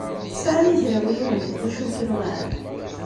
Tesɛam igrawliwen di twacult-nwen?